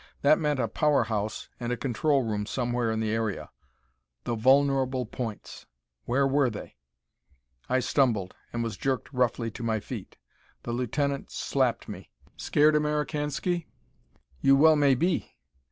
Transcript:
That meant a power house and a control room somewhere in the area. The vulnerable points! Where were they? I stumbled, and was jerked roughly to my feet. The lieutenant slapped me. "Scared, Americansky? You well may be.